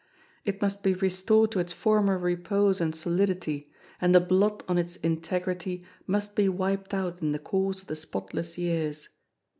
It must be restored to its former repose and solidity, and the blot on its integrity must be wiped out in the course of the spotless years.